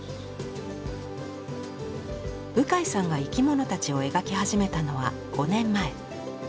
鵜飼さんが生き物たちを描き始めたのは５年前。